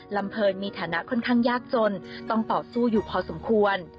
เพลินมีฐานะค่อนข้างยากจนต้องต่อสู้อยู่พอสมควร